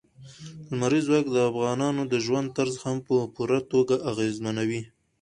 لمریز ځواک د افغانانو د ژوند طرز هم په پوره توګه اغېزمنوي.